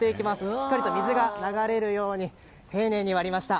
しっかりと水が流れるように丁寧に割りました。